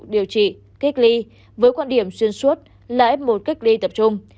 điều trị kết ly với quan điểm xuyên suốt là f một kết ly tập trung